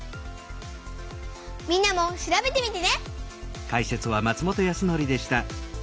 みんなも調べてみてね！